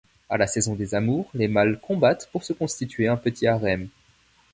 À la saison des amours les mâles combattent pour se constituer un petit harem.